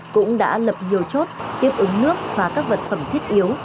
cũng đã lập nhiều chốt tiếp ứng nước và các vật phẩm thiết yếu